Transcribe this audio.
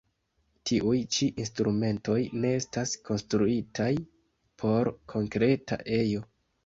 Tiuj ĉi instrumentoj ne estas konstruitaj por konkreta ejo.